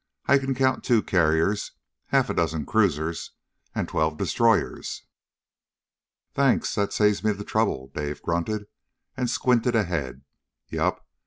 I can count two carriers, half a dozen cruisers, and twelve destroyers!" "Thanks, that saves me the trouble," Dave grunted, and squinted ahead. "Yup!